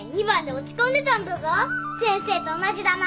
先生と同じだな。